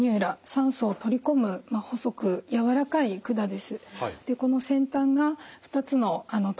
酸素を取り込む細くやわらかい管です。